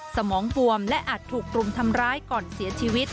สมองบวมและอาจถูกกลุ่มทำร้ายก่อนเสียชีวิต